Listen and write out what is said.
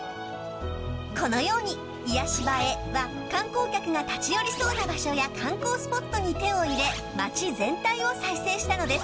このように癒し場へは観光客が立ち寄りそうな場所や観光スポットに手を入れ町全体を再生したのです。